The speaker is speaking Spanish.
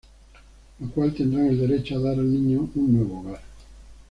Lo cual tendrán el derecho a dar al niño un nuevo hogar.